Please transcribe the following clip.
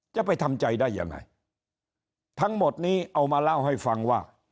จะไปทำใจได้ยังไงทั้งหมดนี้เอามาเล่าให้ฟังว่า